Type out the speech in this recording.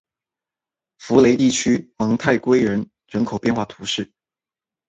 福雷地区蒙泰圭人口变化图示